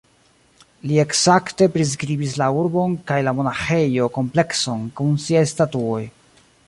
Li ekzakte priskribis la urbon kaj la monaĥejo-komplekson kun siaj statuoj.